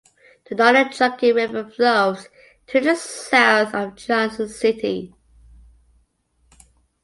The Nolichucky River flows to the south of Johnson City.